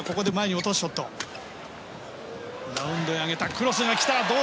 クロスが来た！